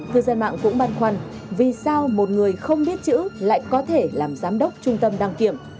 cư dân mạng cũng băn khoăn vì sao một người không biết chữ lại có thể làm giám đốc trung tâm đăng kiểm